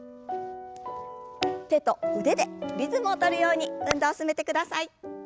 手と腕でリズムを取るように運動を進めてください。